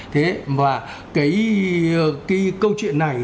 thế và cái câu chuyện này